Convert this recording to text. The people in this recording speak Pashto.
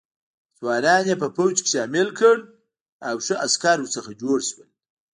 ځوانان یې په پوځ کې شامل کړل او ښه عسکر ورڅخه جوړ شول.